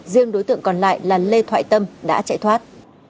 riêng đối tượng còn lại là lê thoại tâm đã chạy thoát